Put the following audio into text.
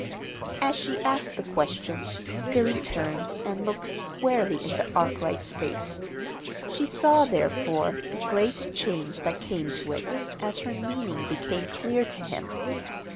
As she asked the question Billy turned and looked squarely into Arkwright's face. She saw, therefore, the great change that came to it, as her meaning became clear to him.